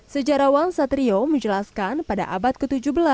sejarawan satrio menjelaskan pada abad ke tujuh belas